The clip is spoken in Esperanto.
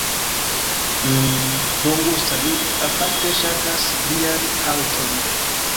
Mmm, bongusta, mi aparte ŝatas vian haŭton.